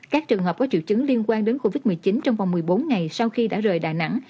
các trường hợp có triệu chứng liên quan đến covid một mươi chín trong vòng một mươi bốn ngày sau khi đã rời đà nẵng